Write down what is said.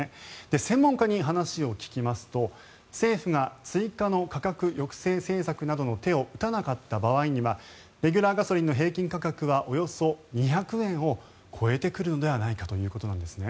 専門家に話を聞きますと政府が追加の価格抑制政策などの手を打たなかった場合にはレギュラーガソリンの平均価格はおよそ２００円を超えてくるのではないかということなんです。